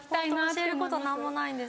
教えること何もないんです。